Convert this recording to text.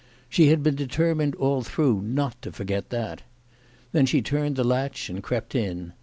She had been determined all through not to forget that. Then she turned the latch and crept in.